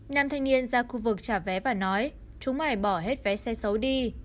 nam thanh niên ra khu vực trả vé và nói chúng mài bỏ hết vé xe xấu đi